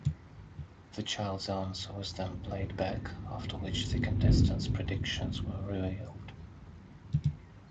The child's answer was then played back, after which the contestants' predictions were revealed.